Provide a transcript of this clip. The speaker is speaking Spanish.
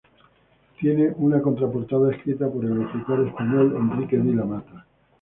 Tiene una contraportada escrita por el escritor español Enrique Vila-Matas.